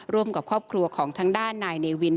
ร่วมกับครอบครัวของทางด้านนายเนวิน